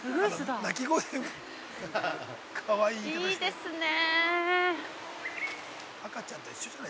いいですね。